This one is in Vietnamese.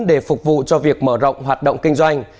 để phục vụ cho việc mở rộng hoạt động kinh doanh